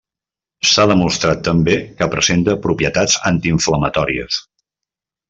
S'ha demostrat també que presenta propietats antiinflamatòries.